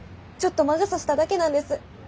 ちょっと魔が差しただけなんです。